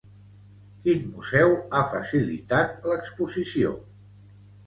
Quin museu ha facilitat l'exposició?